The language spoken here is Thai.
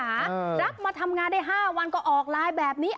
รับมาทำงานได้๕วันก็ออกไลน์แบบนี้